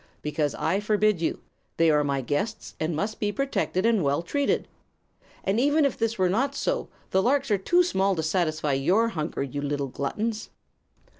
"Because I forbid you. They are my guests, and must be protected and well treated. And even if this were not so, the larks are too small to satisfy your hunger, you little gluttons."